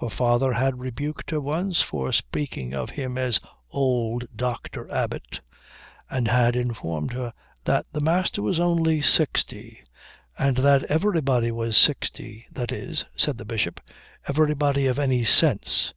Her father had rebuked her once for speaking of him as old Dr. Abbot, and had informed her the Master was only sixty, and that everybody was sixty that is, said the Bishop, everybody of any sense.